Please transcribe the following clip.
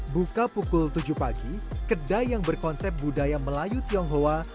buka pukul tujuh pagi kedai yang berkonsep budaya melayu tionghoa